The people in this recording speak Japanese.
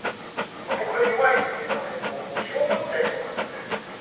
僕は弱い人間なのでこう疑問を持っちゃいそうなんですよね。